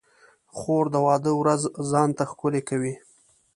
خور د واده ورځ ځان ته ښکلې کوي.